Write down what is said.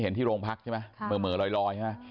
เห็นที่โรงพรรคใช่ไหมเหม่อลอยนะฮะ